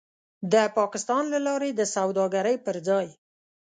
د پاکستان له لارې د سوداګرۍ پر ځای